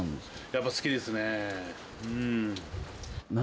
やっぱ好きですねうん。